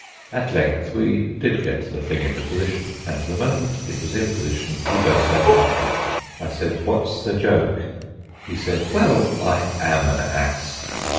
At length we did get the thing into position; and the moment it was in position he burst out laughing. I said: "What's the joke?" He said: "Well, I am an ass!"